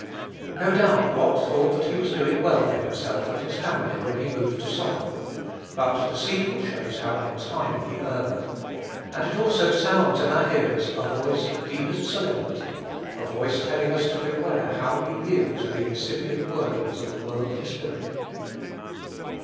No doubt Lot thought he was doing well for himself and his family when he moved to Sodom; but the sequel shows how entirely he erred; and it also sounds in our ears a voice of deepest solemnity, a voice telling us to beware how we yield to the incipient workings of a worldly spirit.